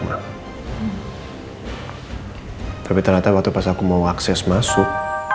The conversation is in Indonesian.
tapi ternyata waktu pas aku mau akses masuk